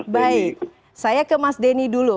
baik saya ke mas denny dulu